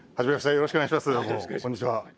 よろしくお願いします。